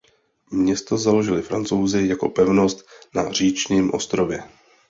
Město založili Francouzi jako pevnost na říčním ostrově.